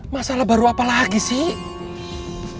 masalah baru apa lagi sih